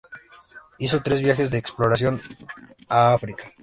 Hizo tres viajes de exploración a África.